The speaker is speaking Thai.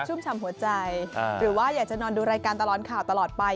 ุ่มชำหัวใจหรือว่าอยากจะนอนดูรายการตลอดข่าวตลอดไป